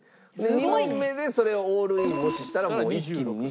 ２問目でそれをオールインもししたら一気に２６。